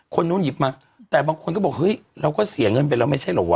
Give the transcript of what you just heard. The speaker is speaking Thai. คนนู้นหยิบมาแต่บางคนก็บอกเฮ้ยเราก็เสียเงินไปแล้วไม่ใช่เหรอว